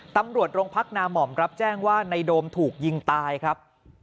ตำรวจโรงพักนาม่อมรับแจ้งว่าในโดมถูกยิงตายครับ